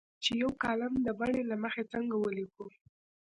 چې یو کالم د بڼې له مخې څنګه ولیکو.